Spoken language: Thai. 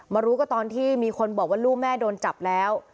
รู้ก็ตอนที่มีคนบอกว่าลูกแม่โดนจับแล้ว